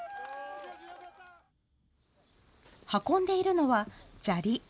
運んでいるのは、砂利。